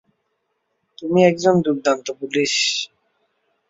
তুমি একজন দুর্দান্ত পুলিশ।